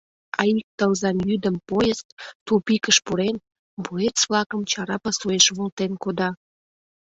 А ик тылзан йӱдым поезд, тупикыш пурен, боец-влакым чара пасуэш волтен кода.